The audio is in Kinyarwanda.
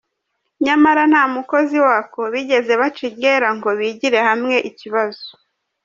Nyamara nta mukozi wako bigeze baca iryera ngo bigire hamwe ikibazo.